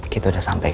kita udah sampe kat